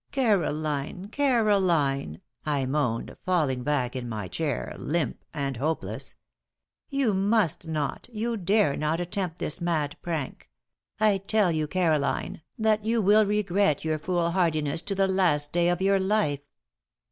"Caroline! Caroline!" I moaned, falling back in my chair, limp and hopeless, "you must not you dare not attempt this mad prank! I tell you, Caroline, that you will regret your foolhardiness to the last day of your life."